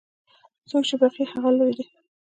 څوک چې بخښي، هغه لوی دی.